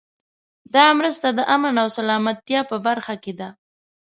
دا مرسته د امن او سلامتیا په برخه کې ده.